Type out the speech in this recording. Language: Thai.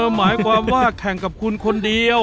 หมายความว่าแข่งกับคุณคนเดียว